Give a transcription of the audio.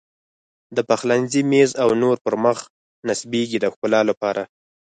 د پخلنځي میز او نورو پر مخ نصبېږي د ښکلا لپاره.